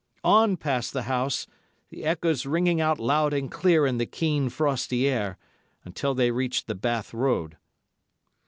On past the house, the echoes ringing out loud and clear in the keen, frosty air, until they reached the Bath Road.